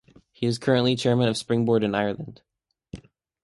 He is currently chairman of Springboard Ireland.